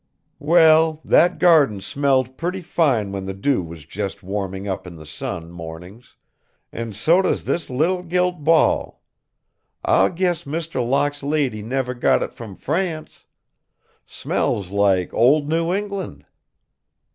"Well, that garden smelled pretty fine when the dew was just warming up in the sun, mornings and so does this little gilt ball! I'll guess Mr. Locke's lady never got it from France. Smells like old New England."